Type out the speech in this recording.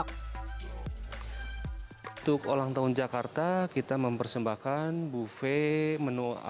untuk olang tahun jakarta kita mempersembahkan buffet menu ala betawi